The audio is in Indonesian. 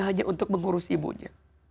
hanya untuk mengurus ibunya